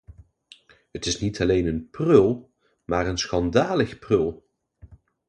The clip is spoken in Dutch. Het is niet alleen een prul, maar een schandalig prul.